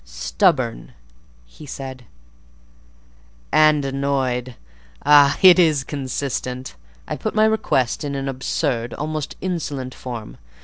"Stubborn?" he said, "and annoyed. Ah! it is consistent. I put my request in an absurd, almost insolent form.